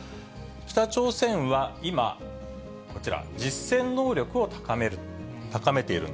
北朝鮮は今、こちら、実戦能力を高める、高めている。